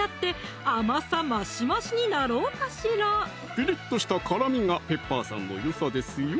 ピリッとした辛みがペッパーさんのよさですよ